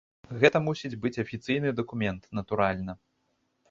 Гэта мусіць быць афіцыйны дакумент, натуральна.